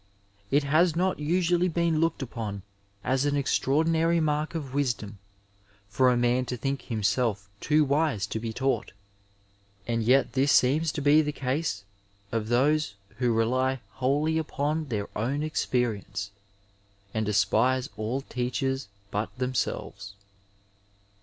... It has not usually been looked upon as an extraordinary mark of wisdom for a man to think himself too wise to be taught; and yet this seems to be the case of those who rely wholly upon their own experience, and despise all teachers but themselves.